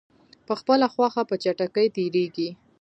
په خپله خوښه په چټکۍ تېریږي.